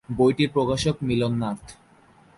বইটির প্রকাশক মিলন নাথ।